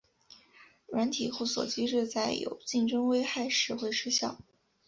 软体互锁机制在有竞争危害时会失效。